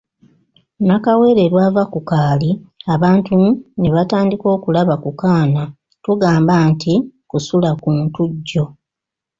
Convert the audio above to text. Nakawere lw’ava ku kaali abantu ne batandika okulaba ku kaana tugamba nti Kusula ku Ntujjo.